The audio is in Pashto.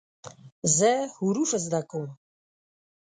زه حروف زده کوم.